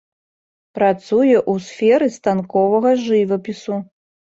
Працуе ў сферы станковага жывапісу.